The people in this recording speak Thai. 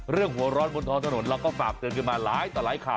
เรื่องหัวร้อนบนท้อถนนเราก็ฝากเจอกันมาหลายข่าวแล้วเนอะ